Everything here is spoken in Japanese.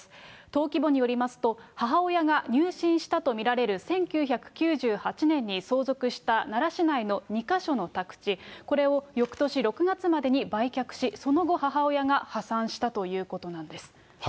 登記簿によりますと、母親が入信したと見られる１９９８年に相続した奈良市内の２か所の宅地、これをよくとし６月までに売却し、その後、母親が破産したということなんです。